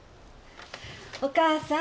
お義母さん